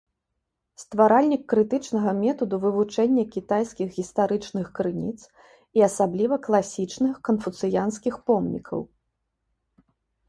Стваральнік крытычнага метаду вывучэння кітайскіх гістарычных крыніц і асабліва класічных канфуцыянскіх помнікаў.